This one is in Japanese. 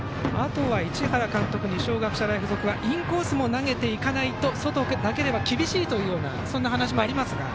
市原監督二松学舎大付属はインコースも投げていかないと外だけでは厳しいというような話もありますが。